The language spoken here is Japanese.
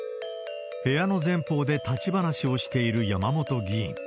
部屋の前方で立ち話をしている山本議員。